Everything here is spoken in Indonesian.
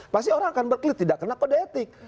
pasti orang akan berkelit tidak kena kode etik